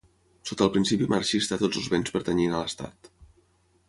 Sota el principi marxista tots els béns pertanyien a l'Estat.